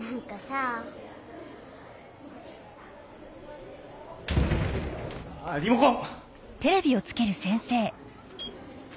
あリモコン！